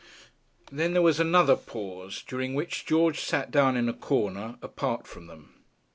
Then there was another pause, during which George sat down in a corner, apart from them.